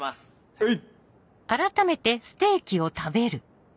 はい！